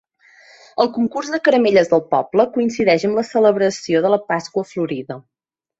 El Concurs de Caramelles del poble coincideix amb la celebració de la Pasqua Florida.